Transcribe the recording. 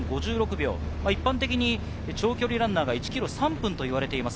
一般的に長距離ランナーが１ｋｍ３分と言われています。